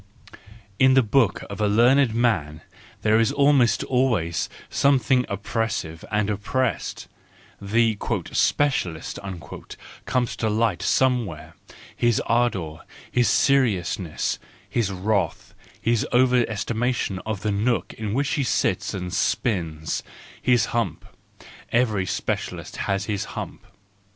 *.. In the book of a learned man there is almost always something oppressive and oppressed : the " specialist " comes to light somewhere, his ardour, his seriousness, his wrath, his over estimation of the nook in which he sits and spins, his hump— every specialist has his hump.